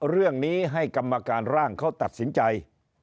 เรื่องนี้ให้กรรมการร่างเขาตัดสินใจ